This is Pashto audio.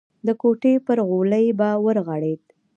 د کوټې پر غولي به ورغړېد.